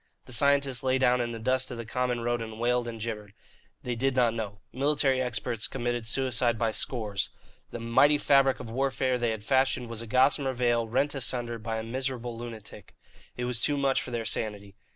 The scientists lay down in the dust of the common road and wailed and gibbered. They did not know. Military experts committed suicide by scores. The mighty fabric of warfare they had fashioned was a gossamer veil rent asunder by a miserable lunatic. It was too much for their sanity.